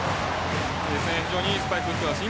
非常にいいスパイクを打っています。